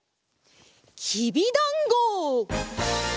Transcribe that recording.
きびだんご！